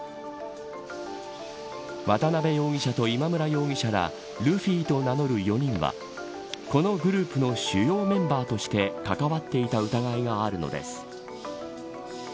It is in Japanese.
渡辺容疑者と今村容疑者らルフィと名乗る４人はこのグループの主要メンバーとして関わっていた疑いがあるのです。